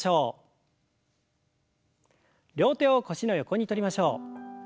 両手を腰の横にとりましょう。